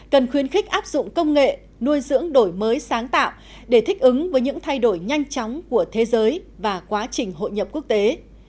cần khuyến khích áp dụng công nghệ nuôi dưỡng đổi mới sáng tạo để thích ứng với những thay đổi nhanh chóng của thế giới và quá trình hội nhập quốc tế